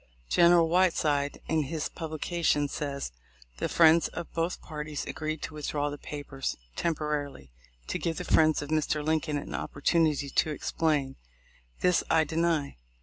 General Whiteside, in his publication, says : "The friends of both parties agreed to withdraw the papers (temporarily) to give the friends of Mr. Lincoln an opportunity to explain." This I deny.